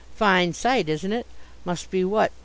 Fine sight, isn't it? Must be what?